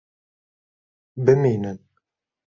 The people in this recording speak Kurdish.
Bimînin!